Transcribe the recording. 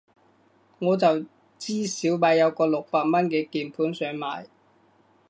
我就知小米有個六百蚊嘅鍵盤想買